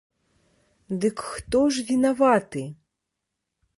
Дык хто ж вінаваты?